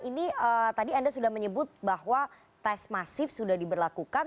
ini tadi anda sudah menyebut bahwa tes masif sudah diberlakukan